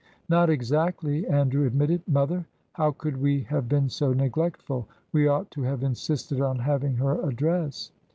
"Not exactly," Andrew admitted. "Mother, how could we have been so neglectful? We ought to have insisted on having her address!"